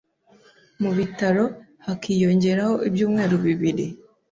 mu bitaro hakiyongeraho ibyumweru bibiri